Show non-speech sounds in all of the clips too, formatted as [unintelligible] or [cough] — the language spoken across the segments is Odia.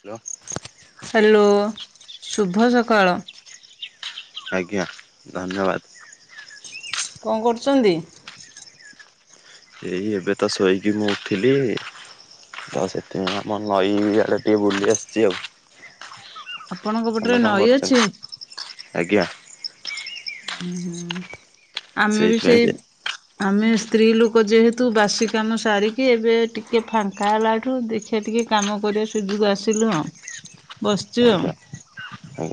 ହ୍ୟାଲୋ ହ୍ୟାଲୋ ଶୁଭ ସକାଳ। ଆଜ୍ଞା ଧନ୍ୟବାଦ। କଁ କରୁଚନ୍ତି? ଏଇ ଏବେ ତ ଶୋଇକି ମୁଁ ଉଠିଲି। ତ ସେଥିପାଇଁ ଆମ ନଈ ଆଡେ ଟିକେ ବୁଲି ଆସିଛି ଆଉ। ଆପଣଙ୍କ ପଟରେ ତମେ କଣ୍ ନଈ ଅଛି? କରୁଚନ୍ତି ଆଜ୍ଞା। ହୁଁ ହୁଁ ଆମେ ବି ସେଇଥିପାଇଁ ସେଇ ଯେ ଆମେ ସ୍ତ୍ରୀ ଲୁକ ଯେହେତୁ ବାସି କାମ ସାରିକି ଏବେ ଟିକେ ଫାଙ୍କା ହେଲାଠୁ ଦେଖିବା ଟିକେ କାମ କରିବା ସୁଯୁଗ ଆସିଲୁ ଆଉ ବସିଚୁ ଆଉ।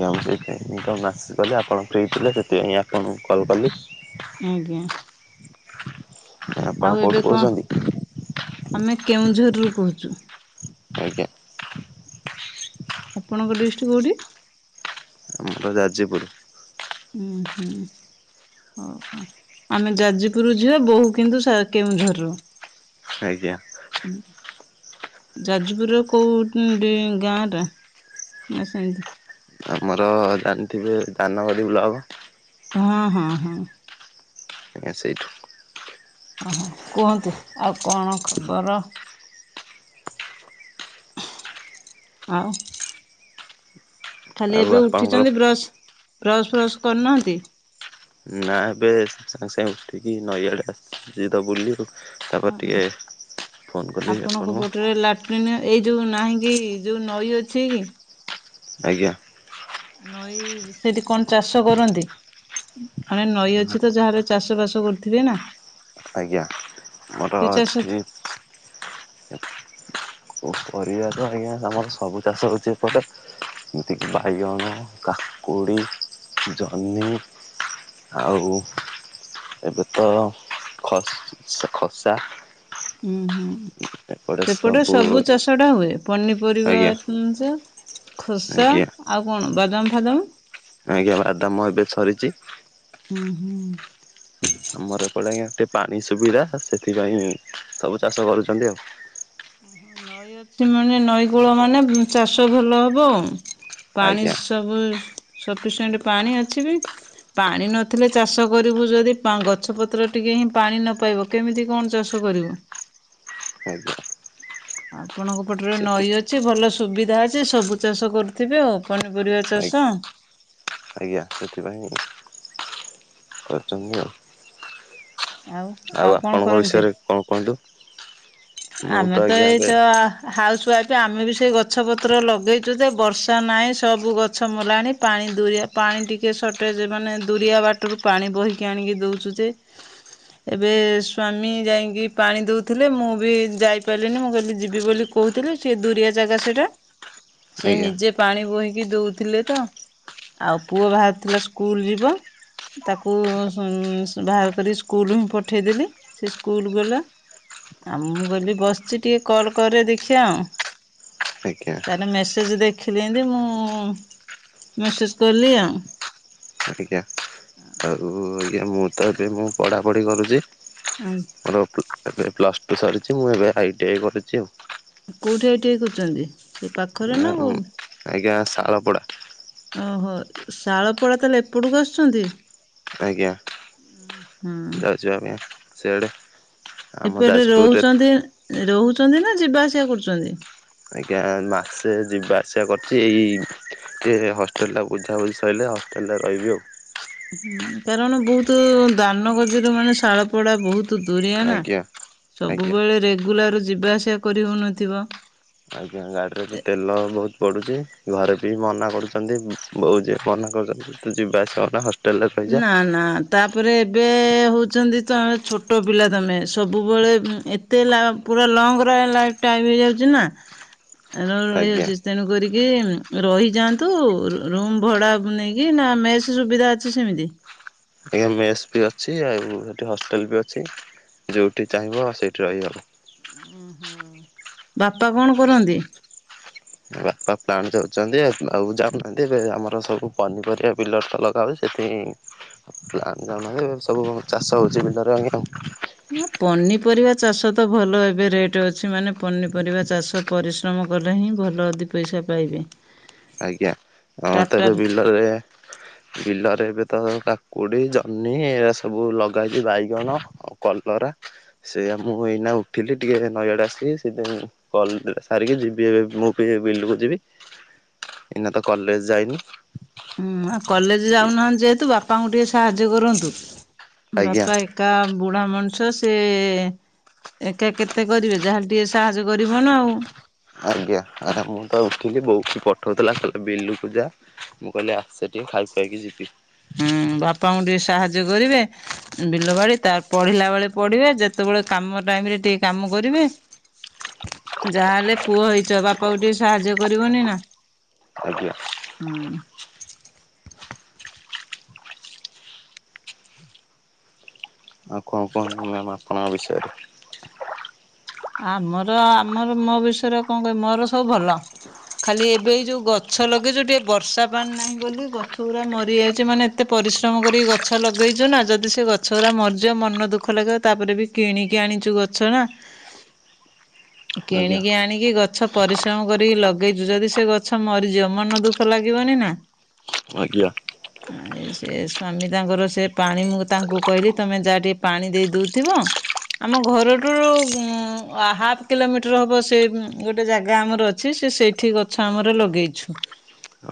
ୟା ମୁଁ ସେଇଥିପାଇଁ ତ ମ୍ୟାସେଜ୍ କଲି ଆପଣ ଫ୍ରି ଥିଲେ ସେଥିପାଇଁ ଆପଣଙ୍କୁ କଲ୍ କଲି। ଆଜ୍ଞା। ଆଉ ଆପଣ ଏବେ କୋଉଠୁ କଣ କହୁଚନ୍ତି? ଆମେ କେଉଁଝରରୁୁ କହୁଚୁ। ଆଜ୍ଞା ଆପଣଙ୍କ ଡିଷ୍ଟ କୋଉଠି? ଆମର ଯାଜପୁରୁ। ହୁଁ ହୁଁ। ଓହୋ ଆମେ ଯାଜପୁରୁ ଝିଅ ବୋହୂ କିନ୍ତୁ ସା କେଉଁଝରର। ଆଜ୍ଞା। ଯାଜପୁରର କୋଉ ଣ୍ଡି ଗାଁ ଟା ନା ସେମିତି? ଆମର ଜାଣିଥିବେ ଦାନଗଦି ବ୍ଲକ। ହଁ ହଁ ହଁ। ଆଜ୍ଞା ସେଇଠୁ ଓ ହୋ କୁହନ୍ତୁ ଆଉ କଣ ଖବର? ଆଉ। ଖାଲି ଆଉ ଏବେ ଆପଣଙ୍କର ଉଠିଚନ୍ତି ବ୍ରସ୍ ବ୍ରସ୍ ଫ୍ରସ୍ କରିନାହାନ୍ତି? ନା ଏବେ ସାଙ୍ଗ ସାଙ୍ଗେ ଉଠିକି ନଈଆଡେ ଆସିଛି ତ ବୁଲି ଆଉ। ତାପରେ ଓ ଟିକେ ଫୋନ କଲି ଆପଣଙ୍କ ଆପଣଙ୍କୁ ପଟରେ ଲାଟ୍ରିନ୍ ଏଇ ଯୋଉ ନାହିଁ କି ଯୋଉ ନଈ ଅଛି କି? ଆଜ୍ଞା। ନଈ ସେଠି କଣ ଚାଷ କରନ୍ତି? ଆମେ ନଈ ଅଛି ତ ଯାହା ହେଲେ ଚାଷ ବାସ କରୁଥିବେ ନା। ଆଜ୍ଞା ଆମର କି ଚାଷ ଏଠି ପରିବା ତ ଆଜ୍ଞା ଆମର ସବୁ ଚାଷ ହଉଛି ଏପଟେ। ଯେମିତିକି ବାଇଗଣ କାକୁଡ଼ି ଜହ୍ନି ଆଉ ଏବେ ତ ଖ ଖସା ଉୁଁ ହୁଁ ସେପଟେ ସବୁ ଚାଷ ଟା ହୁଏ ପନିପରିବା ଆଜ୍ଞା ଜା ଖୋସା ଆଜ୍ଞା। ଆଉ କଣ ବାଦାମ ଫାଦାମ? ଆଜ୍ଞା ବାଦାମ ଏବେ ସରିଛି। ହୁଁ ହୁଁ ଆମର ଏପଟେ ଆଜ୍ଞା ଟିକେ ପାଣି ସୁବିଧା ସେଥିପାଇଁ ସବୁ ଚାଷ କରୁଛନ୍ତି ଆଉ ନଈ ଅଛି ମାନେ ନଈକୂଳ ମାନେ ଚାଷ ଭଲ ହବ ଆଉ। ପାଣି ଆଜ୍ଞା ସବୁ ସଫିସିଏଣ୍ଟ ପାଣି ଅଛି ବି ପାଣି ନଥିଲେ ଚାଷ କରିବୁ ଯଦି ଗଛପତ୍ର ଟିକେ ପାଣି ନ ପାଇବ କେମିତି କଣ ଚାଷ କରିବୁ। ଆଜ୍ଞା। ଆପଣଙ୍କ ପଟରେ ସେଥି ନଈ ଅଛି ଭଲ ସୁବିଧା ଅଛି ସବୁ ଚାଷ କରୁଥିବେ ଆଉ ପନିପରିବା ଚାଷ। ଆଛ ଆଜ୍ଞା ସେଥିପାଇଁ କରୁଛନ୍ତି ଆଉ। ଆଉ ଆଉ କଣ ଆପଣଙ୍କ କରନ୍ତି? ବିଷୟରେ କଣ କୁହନ୍ତୁ ମୁଁ ଆମେ ତ ଆଜ୍ଞା ଏବେ ଏଇତ ଆ ହା ଆଉ ସ ଆମେ ବି ସେ ଗଛ ପତ୍ର ଲଗେଇଛୁ ଯେ ବର୍ଷା ନାହିଁ ସବୁ ଗଛ ମଲାଣି ପାଣି ଦୁରିଆ ପାଣି ଟିକେ ସର୍ଟେଜ ମାନେ ଦୁରିଆ ବାଟରୁ ପାଣି ବୋହିକି ଆଣିକି ଦଉଛୁ ଯେ ଏବେ ସ୍ଵାମୀ ଯାଇକି ପାଣି ଦଉଥିଲେ ମୁଁ ବି ଯାଇପାରିଲିନି ମୁଁ କହିଲି ଯିବି ବୋଲି କହୁଥିଲି ସେ ଦୁରିଆ ଜାଗା ସେଇଟା। ସେ ଆଜ୍ଞା ନିଜେ ପାଣି ବୋହିକି ଦଉଥିଲେ ତ। ଆଉ ପୁଅ ବାହାରୁିଥିଲା ସ୍କୁଲ ଯିବ। ତାକୁ ବାହାର କରି ସ୍କୁଲ ହିଁ ପଠେଇଦେଲି ସେ ସ୍କୁଲ ଗଲା। ଆଉ ମୁଁ ଗଲି ବସିଛି ଟିକେ କଲ କରିରେ ଦେଖିବା ଆଉ। ଆଜ୍ଞା ତାରଲେ ମେସେଜ ଦେଖିଲି ଯେମିତି ମୁଁ ମସେଜ କଲି ଆଉ। ଆଜ୍ଞା ଆଉ ଆ ମୁଁ ତ ଏବେ ମୁଁ ପଢ଼ାପଢ଼ି କରୁଛି ମୋର ଏବେ ପ୍ଲସ ଟୁ ସରି ମୁଁ ଏବେ ଆଇ ଟି ଆଇ କରୁଛି ଆଉ। କୋଉଠି ଏଇଠି କରୁଛନ୍ତି ସେ ପାଖ ଆଜ୍ଞା ସାରପଡ଼ା। ଓହୋ ଶାଳପଡା ତାହେଲେ ଏପଟକୁ ଆସୁଛନ୍ତି। ଆଜ୍ଞା ହଁ ଯାଉଚୁ ଆମେ ସିଆଡ଼େ ଆମ ଏପଟେ ଯାଜପୁରରେ ରହୁଛନ୍ତି ରହୁଛନ୍ତି ନା ଯିବା ଆସିବା କରୁଛନ୍ତି? ଆଜ୍ଞା ମାସେ ଯିବା ଆସିବା କରୁଛି ଏଇ ଟିଏ ହଷ୍ଟେଲଟା ବୁଝାବୁଝି ସରିଲେ ହଷ୍ଟେଲଟା ରହିବି ଆଉ। ହୁଁ କାରଣ ବହୁତ ଦାନ ଗଦରୁ ମାନେ ଶାଳପଡା ବହୁତ ତୁ ଦୁରିଆ ନା ଆଜ୍ଞା ଆଜ୍ଞା। ସବୁବେଳେ ରେଗୁଲାର ଯିବା ଆସିବା କରି ହଉନଥିବ। ଆଜ୍ଞା ଗାଡିରେ ବି ତେଲ ବହୁତ ପଡୁଛି ଘରେ ବି ମନା କରୁଛି। ବୋଉ ଯିଏ ମନା କରୁଛନ୍ତି ତୁ ଯିବା କରେନା ତୁ ହଷ୍ଟେଲ ରେ ରହ ନା ନା ତା ତାପରେ ଏବେ ହେଉଛନ୍ତି ତମେ ଛୋଟ ପିଲା ତମେ ସବୁବେଳେ ଉ ଏତେ ଲାଲ ଅଟେ ଲଙ୍ଗ ରେ ଆଣିଲା ହେରୁ ଟାଇମ୍ ହେଇ ଯାଉଚି ନା ଏଣୁ ଆଜ୍ଞା [unintelligible] କର କି ରହିଯାଆନ୍ତୁ ରୁମ୍ ଭଡ଼ା ନେଇକି ନା ମେସ୍ ସୁବିଧା ଛ ସେମିତି ଆ ମେସ ବି ଅଛି ଆଉ ସେଠି ହଷ୍ଟେଲ ବି ଅଛି। ଯେଉଁଠି ଚାହିଁବ ସେଇଠି ରହିବ। ଓହୋ ବାପା କଣ କରନ୍ତି? ବାପା ପ୍ଲାଣ୍ଟ ଯାଉଛନ୍ତି ଆଉ ଯାଉନାହାନ୍ତି ଏବେ ଆମର ସବୁ ପନିପରିବା ପିଲର ତ ଲଗାଉଛି ଏଥି ଜ ସବୁ ଚାଷ ହେଉଛି ବିଲରେ ଆଜ୍ଞା। ନା ପନିପରିବା ଚାଷ ତ ଭଲ ଏବେ ରେଟ୍ ଅଛି ମାନେ ପନିପରିବା ଚାଷ ପରିଶ୍ରମ କ କଲେ ହିଁ ଭଲ ଦି ପଇସା ପାଇବେ। ଆଜ୍ଞା ହଁ ତ ଏବେ ଟାଟାର ବିଲରେ ବିଲରେ ଏବେ ତ କାକୁଡି ଜହ୍ନି ଏରା ସବୁ ଲଗେଇଛି ବାଇଗଣ, କଲରା ସେ ଆଜ୍ଞା ମୁଁ ଏଇନା ଉଠିଲି ଟିକେ ନଈଆଡ଼େ ଆସିକି ସେଥି ମୁଁ କଲ ସାରିକି ଯିବି ଏବେ ମୁଁ ବି ଏ ବିଲ ବ ଯିବି ଏଇନା ତ କଲେଜ ଯାଇନି। ହୁଁ ଆଉ କଲେଜ ଯାଉନାହାନ୍ତି ଯେହେତୁ ବାପାଙ୍କୁ ଟିକେ ସାହାଯ୍ୟ କରନ୍ତୁ ଆଜ୍ଞା। ବାପା ଏକା ବୁଢା ମଣିଷ ସେ ଏକା କେତେ କରିବେ ଯାହାଲେ ଟିକେ ସାହାଯ୍ୟ କରିବ ନା ଆଉ ଆଜ୍ଞା ଆରେ ମୁଁ ତ ଉଠିଲି ବୋଉଠ ପ ପଠାଉଥିଲା କହିଲେ ବିଲକୁ ଯା ମୁଁ କହିଲି ଆସ ସେ ଟିକେ ଖାଇ ଖୁଆଇକି ଯିବି। ହୁଁ ବାପାଙ୍କୁ ଟିକେ ସାହାଯ୍ୟ କରିବେ ବିଲ ବାଡି ତ ପଢିଲା ବେଳେ ପଢିବେ ଯେତେବେଳେ କାମ ଟାଇମ ରେ ଟିକେ କାମ କରିବେ। ହ [unintelligible] ଯାହାହଲେ ପୁଅ ହେଇଛ ବାପା କ ଟିକେ ସାହାଯ୍ୟ କରିବନି ନା ଆଜ୍ଞା। ହଁ କୁ ମମ୍ ଆପଣଙ୍କ ବିଷୟରେ [unintelligible] ଆମର ଆମର ମୋ ବିଷୟରେ କଣ କହିବି ମୋର ସବୁ ଭଲ। ଖାଲି ଏବେ ଯୋଉ ଗଛ ଲଗେଇଛୁ ଟିକେ ବର୍ଷା ପାଣି ନାହିଁ ବୋଲି ଗଛ ଗୁଡା ମରି ଯାଉଛି ମାନେ ଏତେ ପ ପରିଶ୍ରମ କର ଗଛ ଲଗେଇଛୁ ନା ଯଦି ସେ ଗଛ ଗୁଡା ମରିଯିବ ମନ ଦୁଃଖ ଲାଗିବ ତାପରେ ବି କିଣିକି ଆଣିଛୁ। ଗଛ ନା ଆଜ୍ଞା କିଣିକି ଆଣିକି ଗଛ ପରିଶ୍ରମ କରିକି ଲଗେଇଛୁ ଯଦି ସେ ଗଛ ମରିଯିବ ମନ ଦୁଃଖ ଲାଗିବନି ନା। ଆଜ୍ଞା। ସେ ସ୍ଵାମୀ ତାଙ୍କର ସେ ପାଣି ମୁ ତାଙ୍କୁ କହିଲି ତମେ ଯାହା ଟିକେ ପାଣି ଦେଇ ଦଉଥିବ। ଆମ ଘରଠୁ ଉ ହାଫ୍ କିଲୋମିଟର ହବ ସେ ଗୋଟେ ଜାଗା ଆମର ଅଛି ସେ ସେଇଠି ଗଛ ଆମର ଲଗେଇଛୁ।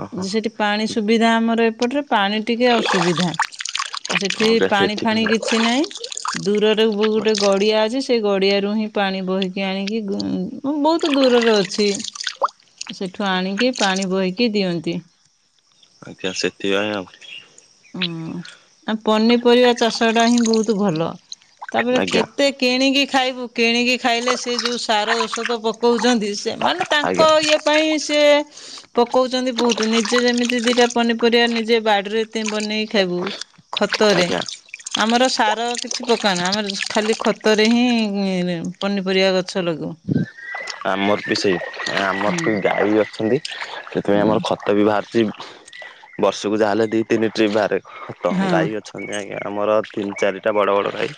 ଓହୋ ସେଠି ପାଣି ସୁବିଧା ଆମର ଏପଟରେ ପାଣି ଟିକେ ଅସୁବିଧା। ଉ ସେଠି ଆଜ୍ଞା ପାଣି ସେଥିପାଇଁ ଫାଣି କିଛି ନାହିଁ ଦୂରରେ ଆଉ ଗୋଟେ ଗଡିଆ ଅଛି ସେ ଗଡିଆରୁ ହିଁ ପାଣି ବହିକି ଆଣିକି ବହୁତ ଦୂରରେ ଅଛି। ସେଠୁ ଆଣିକି ପାଣି ବୋହିକି ଦିଅନ୍ତି। ଆଜ୍ଞା ସେତିକି ଆ [unintelligible] ଇ ଆ ହୁଁ ଆ ପନିପରିବା ଚାଷ ଟା ହିଁ ବହୁତ ଭଲ। ତାପରେ ଆଜ୍ଞା କେତେ କିଣିକି ଖାଇବୁ କିଣିକି ଖାଇଲେ ସେ ଯୋଉ ସାର ଔଷଧ ପକଉଛନ୍ତି ସେ ମାନେ ତାଙ୍କ ଇଏ ପାଇଁ ସେ ହଁ [inaudible] ପକଉଛନ୍ତି ବହୁତ ନିଜେ ଯେମିତି ଦିଟା ପନିପରିବା ନିଜେ ବାଡିରେ ବନେଇକି ଖାଇବୁ ଖତରେ ଆଜ୍ଞା ଆମର ସାର କିଛି ପକ ନା ଆମର ଖାଲି ଖତରେ ହିଁ ହ ପନିପରିବା ଗଛ ଲଗୁ ଆମର ବି ସେଇ ଆମର ବି ଗାଈ ବି ଅଛନ୍ତି ସେଥିପାଇଁ ହୁଁ ଆମର ଖତ ବି ବାହାରିଛି ବର୍ଷକୁ ଯାହାହେଲେ ଦି ତିନି ଟ୍ରିପ୍ ବାହାରେ ତ ହଁ ଗାଈ ଅଛନ୍ତ। ଆଜ୍ଞା ଆମର ତିନି ଚାରିଟା ବଡ଼ ବଡ଼ ଗାଈ।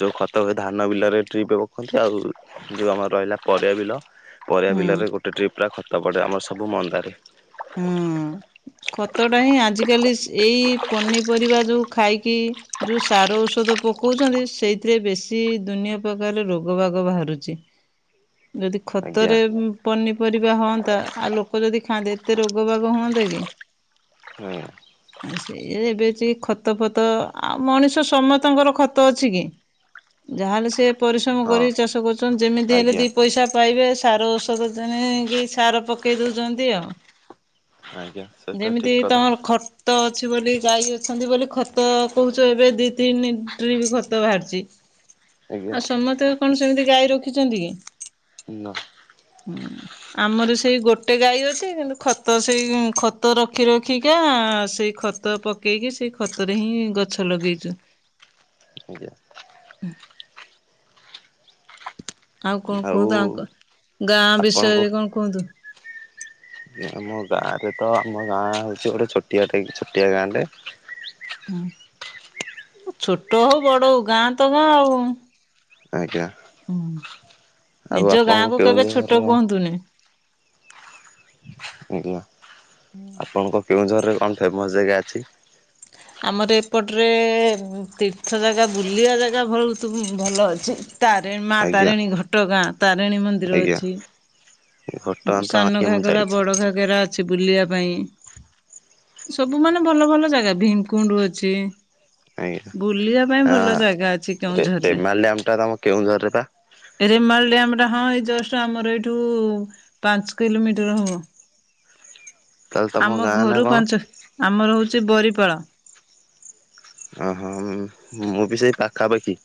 ଯୋଉ ଖତ ହୁ ଧାନ ବିଲରେ ଟ୍ରିପ ପଖନ୍ତି ଆଉ ଯେଉଁ ଆମର ରହିଲା ପରିବା ବିଲ ପରିବା ହଁ। ବିଲରେ ଗୋଟେ ଟ୍ରିପ୍ ପୁରା ଖତ ପଡ଼େ ଆମର ସବୁ ମନ୍ଦାରେ ହଁ। ଖତ ଟା ହିଁ ଆଜିକାଲି ଏଇ ପନିପରିବା ଯୋଉ ଖାଇକି ଯୋଉ ସାର ଔଷଧ ତ ପକଉଛନ୍ତି ସେଇଥିରେ ବେଶୀ ଦୁନିଆ ପ୍ରକାରରେ ରୋଗ ବାଗ ବାହାରୁଛି ହ। ଯଦି ଖତରେ ପନି। ପରିବା ହୁଅନ୍ତା ଆଉ ଲୋକ ଯଦି ଖାଆନ୍ତେ ଏତେ ରୋଗ ବାଗ ହୁଅନ୍ନ୍ତତା କି ହୁଁ। ସେଇ ଏବେ ଖତ ଫତ ଆଉ ମଣିଷ ସମସ୍ତଙ୍କର ଖତ ଅଛି କି? ଯାହାହେଲେ ସେି ପରିଶ୍ରମ ହଁ କର ଚାଷ କରୁଛନ୍ତି ଯେମିତି ହେଲେ ଆଜ୍ଞା ଦି ପଇସା ପାଇବେ ସାର ଔଷଧ କି ସାର ପକେଇ ଦଉଛନ୍ତି ଆଉ ଆଜ୍ଞା ସେଇଟା ଯେମିତି ଠିକ କଥା ତମର ଖତ ଅଛି। ବୋଲି ଗାଈ ଅଛନ୍ତି ବୋଲି ଖତ କହୁଛ ଏବେ ଦି ତିନିରେ ବି ଖତ ବାହାରିଛି। ଆଜ୍ଞା ଆଉ ସମସ୍ତେ କଣ ସେମିତି ଗାଈ ରଖିଛନ୍ତି କି। ନ। ହଁ ଆମର ସେଇ ଗୋଟେ ଗାଈ ଅଛି କିନ୍ତୁ ଖତ ସେଇ ଖତ ରଖି ରଖିକା ସେଇ ଖତ ପକେଇକି ସେଇ ଖତରେ ହିଁ ଗଛ ଲଗେଇଛୁ। ଞ ଆଉ କଣ କୁହନ୍ତୁ ଆ ଗାଁ ଆପଣଙ୍କ ବିଷୟରେ କଣ କୁହନ୍ତୁ ଆମ ଗାଁରେ ତ ଆମ ଗାଁ ହେଉଛି ଗୋଟେ ଛୋଟିଆଟା ଛୋଟିଆ ଗାଁରେ ହୁଁ ଛୋଟ ହଉ ବଡ ହଉ ଗାଁ ତ ଗାଁ ଆଉ ହୁଁ ଆଜ୍ଞା। ଆଉ ନିଜ ଗାଁ ଆପଣଙ୍କ କ କେବେ କେଉଁଝରର ଛୋଟ କୁହନ୍ତୁନି। ଆଝିଲ ଆପଣଙ୍କ କେଉଁଝରରେ କଣ ଫେମସ୍ ଜାଗା ଅଛି ଆମର ଏପଟରେ ତୀର୍ଥ ଜାଗା ବୁଲିବା ଜାଗା ବହୁତ ଭଲ ଅଛି ତାରଣୀ ମା ଆଜ୍ଞା ତାରିଣୀ ଘଟଗାଁ ତାରିଣୀ ମନ୍ଦିର ଆଜ୍ଞା ଅଛି ଘଟଗାଁ ତ ସାନ ଆଜ୍ଞା ମୁଁ ଘାଗରା ଯାଇଛି ବଡ ଘାଗରା ଅ ଅଛି ବୁଲିବା ପାଇଁ ସବୁ ମାନେ ଭଲ ଭଲ ଜାଗା ଭୀମକୁଣ୍ଡ ଅଛି। ବୁଲିବା ପାଇଁ ଭଲ ଆଜ୍ଞା। ଜାଗା ଅଛି ରେ କେଉଁଝରେ ରେମାଲ ଡ୍ୟାମ ଟା ତମ କେଉଁଝରରେ ପା? ରେମାଲ ଡ୍ୟାମ ଟା ହଁ ଏଇ ଜଷ୍ଟ ଆମର ଏଇଠୁ ପାଞ୍ଚ କିଲୋମିଟର ହବ ତାହେଲେ ତମ ଆମ ଗାଁ ନା ଘରୁ କଣ? ପାଞ୍ଚ ଆମର ହଉଛି ବରିପାଳ ଓ ହଁ ମୁଁ ବି ସେଇ ପାଖାପାଖି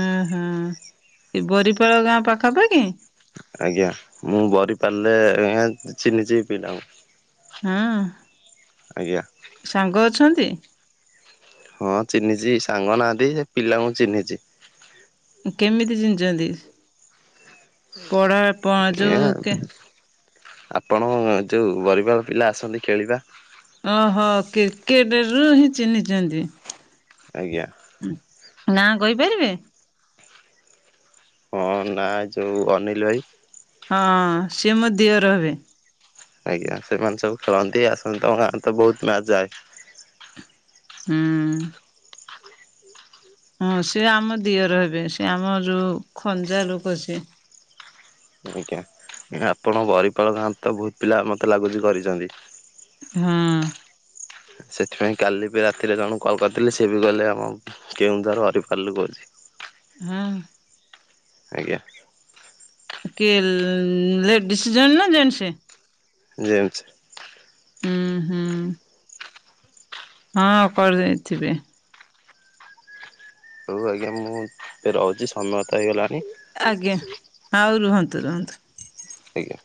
ଓ ହୋଁ ସେ ବରିପାଳ ଗାଁ ପାଖାପାଖି ଆଜ୍ଞା ମୁଁ ବ ପାରିଲେ ଆ୍ ଚହିନି ଚି ପିଇିଲାଙ୍କୁ ହଁ ଆଜ୍ଞା। ସେ। ହଁ ଚିହ୍ନିଛି ସାଙ୍ଗ ନାହାନ୍ତି ସେ ପିଲାଙ୍କୁ ଚିହ୍ନିଛି କେମିତି ଚିନିଛନ୍ତି? ପଢ଼ା କେ ଆଜ୍ଞା। ଯୋଉ ଆପଣ ଯୋଉ ପରିବାର ପିଲା ଆସନ୍ତି ଖେଳିବା ଓହୋ କେ କେଡର ରରୁ ହିଁ ଚିହ୍ନିଛନ୍ତି [inaudible] ଆଜ୍ଞା ନାଁ କହିପାରିବେ। ହଁ ନା ଯୋଉ ଅନିଲ ଭାଇ। ସେ ମଧ୍ୟ ରହିବେ। ଆଜ୍ଞା ସେମାନେ ସବୁ ଖେଳନ୍ତି ଆସନ୍ତି। ତମ ଗାଁ ତ ବହୁତ ମ୍ୟାଚ୍ ଯାଏ। ହୁଁ ହଁ ସେି ଆମ ଦିଅ ରହିବେ ସେ ଆମର ଯୋଉ ଖଞ୍ଜା ଲୋକ ସ ଆଜ୍ଞା ଆପଣ ବରିପାଳ ଖାଆନ୍ତି ତ ବହୁତ ପିଲା ମତେ ଲାଗୁଛି କରିଛନ୍ତି। ହୁଁ। ସେଥିପାଇଁ କାଲି ବି ରାତିରେ ଜଣକୁ କଲ୍ କରିଥିଲି ସେବି କଇଲେ ଆମ କେଉଁଝର ହରିପାଲ ରୁ କହୁଛି। ହଁ। ଆଜ୍ଞା। କି ଲେଡିସ୍ ଜଣେ ନା ଜେନସ। ଜେନସ। ହୁଁ ହଁ କରିଦେଇଥିବେ। ହଉ ଆଜ୍ଞା ମୁଁ ଏବେ ରହୁଛି ସମୟ ତ ହେଇଗଲାଣି। ଆଜ୍ଞା ହଉ ରୁହନ୍ତୁ ରୁହନ୍ତୁ। ଆଜ୍ଞା।